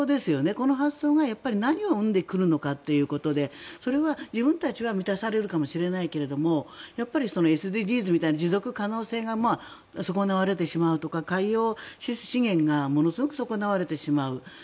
この発想が何を生んでくるのかということでそれは自分たちは満たされるかもしれないけどＳＤＧｓみたいに持続可能性が損なわれてしまうとか海洋資源がものすごく損なわれてしまう。